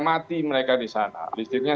mati mereka di sana listriknya